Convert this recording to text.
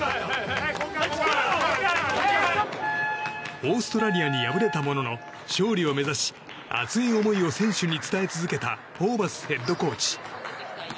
オーストラリアに敗れたものの勝利を目指し熱い思いを選手に伝え続けたホーバスヘッドコーチ。